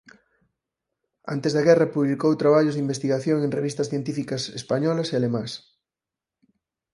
Antes da guerra publicou traballos de investigación en revistas científicas españolas e alemás.